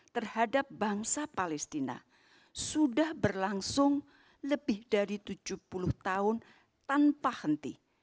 terhadap bangsa palestina sudah berlangsung lebih dari tujuh puluh tahun tanpa henti